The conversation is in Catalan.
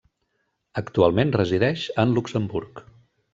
Actualment resideix en Luxemburg.